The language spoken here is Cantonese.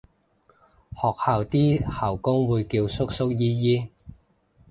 學校啲校工會叫叔叔姨姨